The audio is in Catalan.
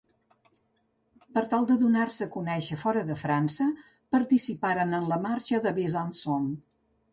Per tal de donar-se a conèixer fora de França, participaren en la marxa de Besançon.